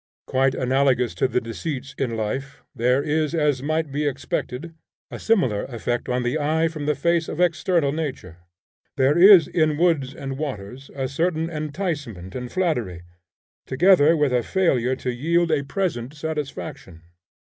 Quite analogous to the deceits in life, there is, as might be expected, a similar effect on the eye from the face of external nature. There is in woods and waters a certain enticement and flattery, together with a failure to yield a present satisfaction.